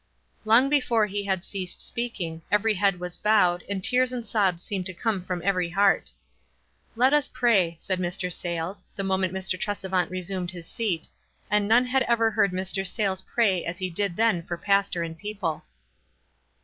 Long before he had ceased speaking, every head was bowed, and tears and sobs seemed t( come from every heart. ''Let us pray," sai6 Mr. Sayles, the moment Mr. Tresevant resumed his seat, and none had ever heard Mr. Sayles pray as he did then for pastor and people.